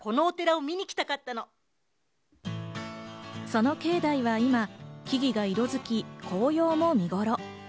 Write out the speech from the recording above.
その境内は今、木々が色づき、紅葉も見頃。